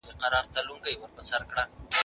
پلان جوړونه د ښې راتلونکي ضامن ده.